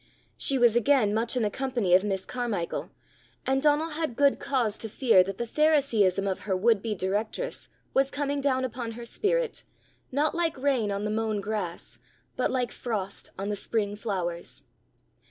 She was again much in the company of Miss Carmichael, and Donal had good cause to fear that the pharisaism of her would be directress was coming down upon her spirit, not like rain on the mown grass, but like frost on the spring flowers.